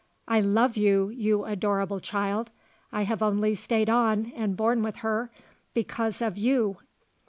I love you, you adorable child. I have only stayed on and borne with her because of you!"